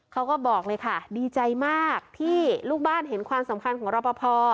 เขาบอกเลยค่ะดีใจมากที่ลูกบ้านเห็นความสำคัญของรอปภ